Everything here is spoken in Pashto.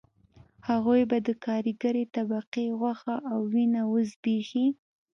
هغوی به د کارګرې طبقې غوښه او وینه وزبېښي